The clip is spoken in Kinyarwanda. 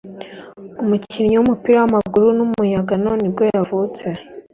umukinnyi w’umupira w’amaguru w’umunyagana nibwo yavutse